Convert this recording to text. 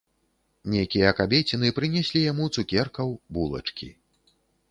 Нейкія кабеціны прынеслі яму цукеркаў, булачкі.